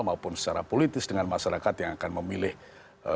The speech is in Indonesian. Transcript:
maupun secara politis dengan masyarakat yang akan memilih